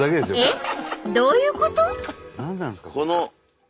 えっ？どういうこと？